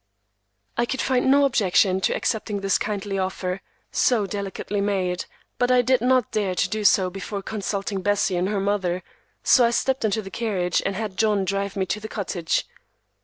I could find no objection to accepting this kindly offer, so delicately made, but I did not dare to do so before consulting Bessie and her mother, so I stepped into the carriage and had John drive me to the cottage.